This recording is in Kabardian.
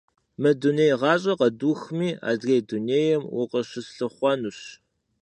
Мы дуней гъащӏэр къэдухми, адрей дунейм укъыщыслъыхъуэнущ.